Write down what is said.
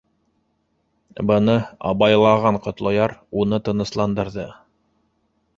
Быны абайлаған Ҡотлояр уны тынысландырҙы.